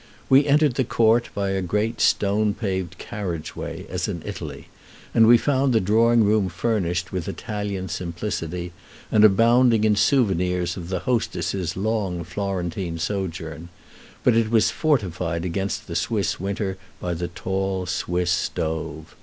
We entered the court by a great stone paved carriage way, as in Italy, and we found the drawing room furnished with Italian simplicity, and abounding in souvenirs of the hostess's long Florentine sojourn; but it was fortified against the Swiss winter by the tall Swiss stove.